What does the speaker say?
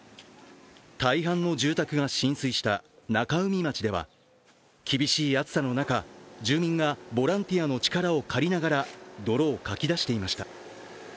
大半の住宅が浸水した中海町では厳しい暑さの中、住民がボランティアの力を借りながら泥をかき出していました。